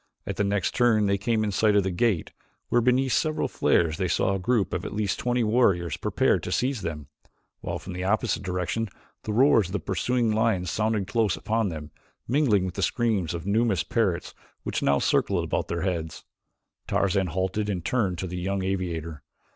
At the next turn they came in sight of the gate, where, beneath several flares, they saw a group of at least twenty warriors prepared to seize them, while from the opposite direction the roars of the pursuing lions sounded close upon them, mingling with the screams of numerous parrots which now circled about their heads. Tarzan halted and turned to the young aviator.